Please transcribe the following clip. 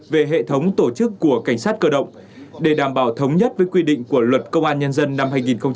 về hệ thống tổ chức của cảnh sát cơ động để đảm bảo thống nhất với quy định của luật công an nhân dân năm hai nghìn một mươi ba